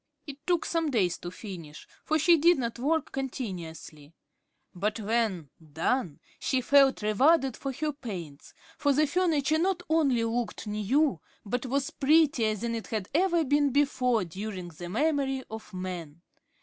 It took some days to finish, for she did not work continuously, but when done she felt rewarded for her pains; for the furniture not only looked new, but was prettier than it had ever been before during the memory of man.